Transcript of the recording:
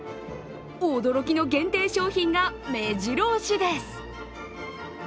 驚きの限定商品がめじろ押しです。